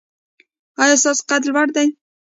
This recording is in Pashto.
ایا ستاسو قد لوړ دی؟